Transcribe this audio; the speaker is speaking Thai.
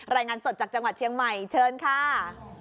รายงานสดจากจังหวัดเชียงใหม่เชิญค่ะ